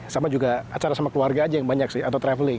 sama juga acara sama keluarga aja yang banyak sih atau traveling